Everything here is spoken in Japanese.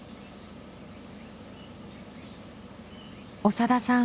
長田さん